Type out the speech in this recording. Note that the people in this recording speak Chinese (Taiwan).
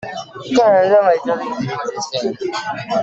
個人認為就立即執行